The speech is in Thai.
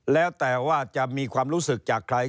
แล้วแต่ว่าจะมีความรู้สึกจากใคร